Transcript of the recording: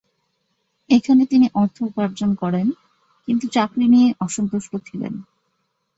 এখানে তিনি অর্থ উপার্জন করেন, কিন্তু চাকরি নিয়ে অসন্তুষ্ট ছিলেন।